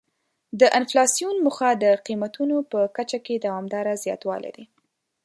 د انفلاسیون موخه د قیمتونو په کچه کې دوامداره زیاتوالی دی.